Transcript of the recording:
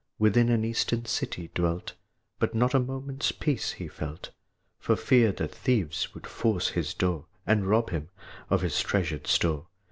Within an Eastern city dwelt; But not a moment's peace he felt, For fear that thieves should force his door, And rob him of his treasured store.